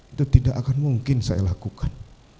itu tidak akan mungkin saya lakukan